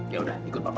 yaudah ikut papa